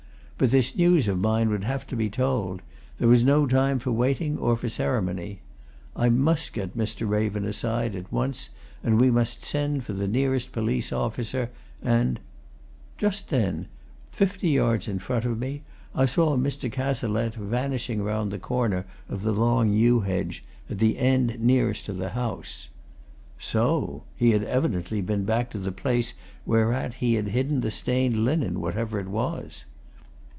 But this news of mine would have to be told: this was no time for waiting or for ceremony. I must get Mr. Raven aside, at once, and we must send for the nearest police officer, and Just then, fifty yards in front of me, I saw Mr. Cazalette vanishing round the corner of the long yew hedge, at the end nearest to the house. So he had evidently been back to the place whereat he had hidden the stained linen, whatever it was?